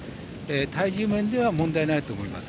体重面では問題ないと思います。